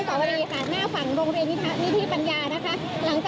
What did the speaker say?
คุณภูริพัฒน์บุญนิน